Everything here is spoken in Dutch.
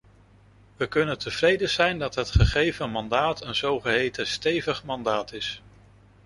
We kunnen tevreden zijn dat het gegeven mandaat een zogeheten stevig mandaat is.